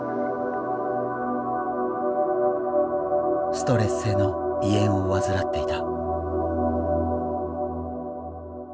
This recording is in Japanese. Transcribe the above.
ストレス性の胃炎を患っていた。